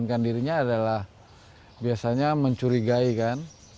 menginginkan dirinya adalah biasanya mencurigai kan